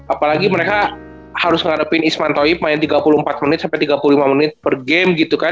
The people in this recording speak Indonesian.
apalagi mereka harus ngadepin isman toib main tiga puluh empat menit sampai tiga puluh lima menit per game gitu kan